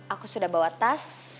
aku sudah bawa tas